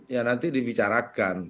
ya nanti dibicarakan